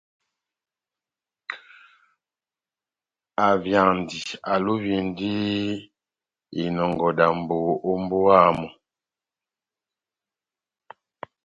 Avyandi, alovindi inɔngɔ dambo ó mbówa yamu.